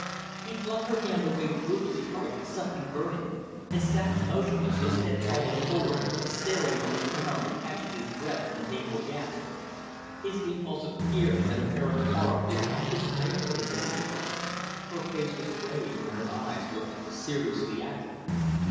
He flung her hand away brutally, like something burning, and sat motionless, his head fallen forward, staring on the ground and catching his breath in painful gasps. His impulse of fear and apparent horror did not dismay her in the least. Her face was grave and her eyes looked seriously at him.